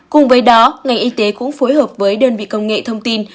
cùng với đó ngành y tế cũng phối hợp với đơn vị công nghệ thông tin